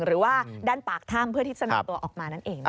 หรือว่าด้านปากถ้ำเพื่อที่จะนำตัวออกมานั่นเองนะคะ